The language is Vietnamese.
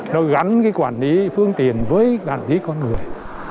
nó gắn cái quản lý phương tiện với gắn dí con người